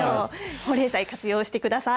保冷剤、活用してください。